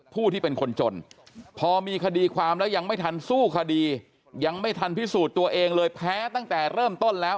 ผู้ที่เป็นคนจนพอมีคดีความแล้วยังไม่ทันสู้คดียังไม่ทันพิสูจน์ตัวเองเลยแพ้ตั้งแต่เริ่มต้นแล้ว